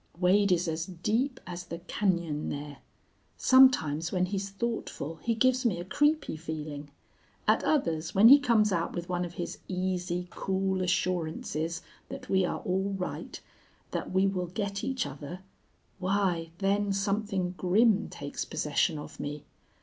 Wade is as deep as the cañon there. Sometimes when he's thoughtful he gives me a creepy feeling. At others, when he comes out with one of his easy, cool assurances that we are all right that we will get each other why, then something grim takes possession of me.